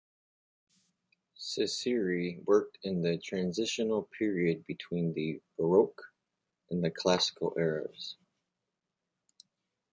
Cecere worked in the transitional period between the Baroque and Classical eras.